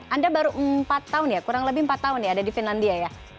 anda baru empat tahun ya kurang lebih empat tahun ya ada di finlandia ya